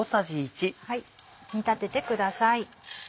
煮立ててください。